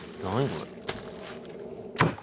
これ。